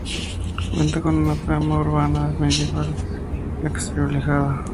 Cuenta con una trama urbana medieval en la que queda reflejada su evolución histórica.